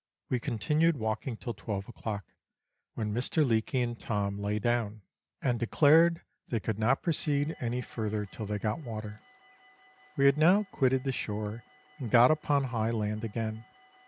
We continued walking till twelve o'clock, when Mr. Leake and Tom lay down, 286 Letters from Victorian Pioneers. and declared they could not proceed any further till they got water. We had now quitted the shore and got upon high land again.